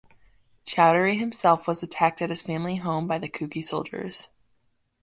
Choudhury himself was attacked at his family home by the Kuki soldiers.